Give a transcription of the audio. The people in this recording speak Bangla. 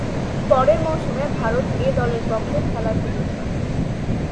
পরের মৌসুমে ভারত এ-দলের পক্ষে খেলার সুযোগ পান।